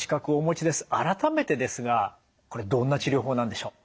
改めてですがこれどんな治療法なんでしょう？